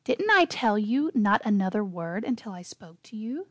] "Didn't I tell you, 'not another word' until I spoke to you?"